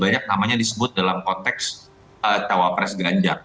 banyak namanya disebut dalam konteks cawapres ganjar